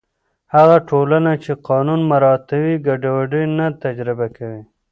هغه ټولنه چې قانون مراعتوي، ګډوډي نه تجربه کوي.